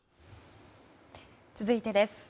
続いてです。